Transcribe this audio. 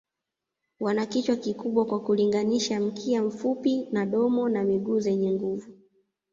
Wana kichwa kikubwa kwa kulinganisha, mkia mfupi na domo na miguu zenye nguvu.